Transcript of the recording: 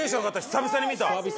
久々に見た。